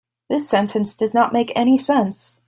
This sentence does not make any sense.